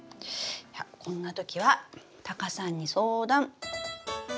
いやこんなときはタカさんに相談！